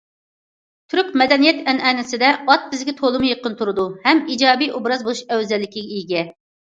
تۈرك مەدەنىيەت ئەنئەنىسىدە ئات بىزگە تولىمۇ يېقىن تۇرىدۇ ھەم ئىجابىي ئوبراز بولۇش ئەۋزەللىكىگە ئىگە.